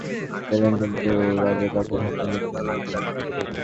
বোমার আঘাত থেকে তিনি রক্ষা পেলেন, কিন্তু রাজাকারদের হাতে মৃত্যু হলো তাঁর।